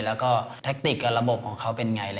แล้วก็แทคติกกับระบบของเขาเป็นไง